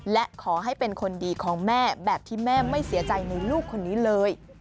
และขอให้เป็นคนดีของแม่แบบที่แม่ไม่เสียใจในลูกคนนี้เลย